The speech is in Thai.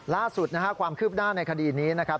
ล่าสุดนะครับความคืบหน้าในคดีนี้นะครับ